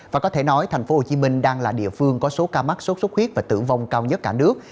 và có thể nói tp hcm đang là địa phương có số ca mắc sốt xuất huyết và tử vong cao nhất cả nước